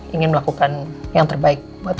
ingin melakukan yang terbaik buat